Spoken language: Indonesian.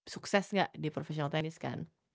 sukses gak di profesional tenis kan